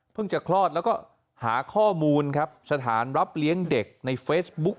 จะคลอดแล้วก็หาข้อมูลครับสถานรับเลี้ยงเด็กในเฟซบุ๊ก